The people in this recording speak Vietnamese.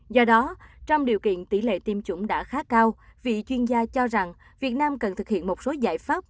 do đó trong điều kiện tỷ lệ tiêm chủng đã khá cao vị chuyên gia cho rằng việt nam cần thực hiện một số giải pháp